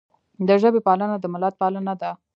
د ژبې پالنه د ملت پالنه ده.